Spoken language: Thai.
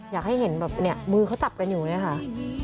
อยากให้เห็นแบบเนี่ยมือเขาจับกันอยู่เนี่ยค่ะ